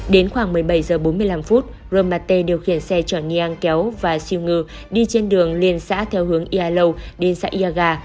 đến khoảng một mươi bảy h bốn mươi năm roma t điều khiển xe chở niang kéo và siêu ngư đi trên đường liền xã theo hướng yà lâu đến xã yà gà